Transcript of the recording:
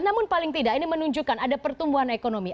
namun paling tidak ini menunjukkan ada pertumbuhan ekonomi